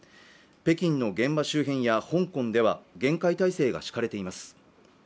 北京の現場周辺や香港では厳戒態勢が敷かれています